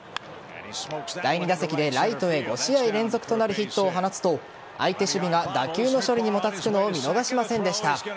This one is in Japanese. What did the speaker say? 第２打席でライトへ５試合連続となるヒットを放つと相手守備が打球の処理にもたつくのを見逃しませんでした。